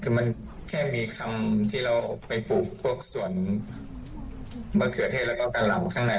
คือมันแค่มีคำที่เราไปปลูกพวกส่วนมะเขือเทศแล้วก็กะเหล่าข้างใน